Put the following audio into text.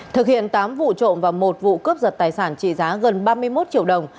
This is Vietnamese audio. thực hiện tám vụ trộm và một vụ cướp giật tài sản trị giá gần ba mươi một triệu đồng